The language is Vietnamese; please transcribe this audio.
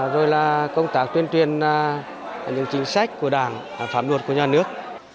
rồi là công tác tuyên truyền những chính sách của đảng pháp luật của nhà nước